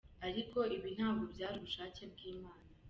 Ariko ibi ntabwo byari ubushake bw’Imana”.